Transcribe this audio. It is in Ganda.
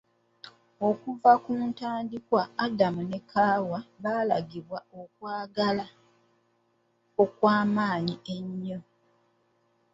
Okuva ku ntandikwa Adamu ne Kaawa baalagibwa okwagala okw'amaanyi ennyo.